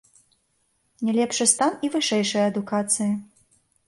Не лепшы стан і вышэйшай адукацыі.